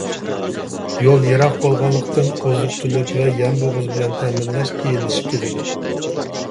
يول يىراق بولغانلىقتىن، ئوزۇق-تۈلۈك ۋە يەم-بوغۇز بىلەن تەمىنلەش قىيىنلىشىپ كېتىدۇ.